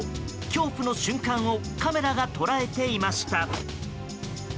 恐怖の瞬間をカメラが捉えていました。